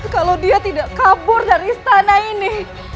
kalau dia tidak kabur dari istana ini